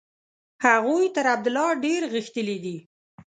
هغوی تر عبدالله ډېر غښتلي دي.